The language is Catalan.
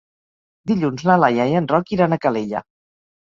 Dilluns na Laia i en Roc iran a Calella.